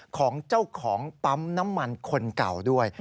ของเจ้าของปั๊มน้ำมันคนเก่าด้วย